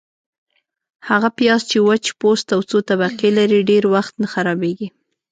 - هغه پیاز چي وچ پوست او څو طبقې لري، ډېر وخت نه خرابیږي.